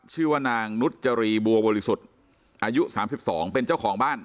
ชื่อว่านางนุจรีบัวบริสุทธิ์อายุ๓๒เป็นเจ้าของบ้าน